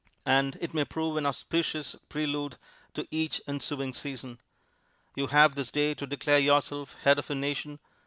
"And may it prove an auspicious prelude to each ensuing season. You have this day to declare yourself head of a Nation.